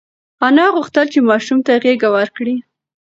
انا غوښتل چې ماشوم ته غېږه ورکړي.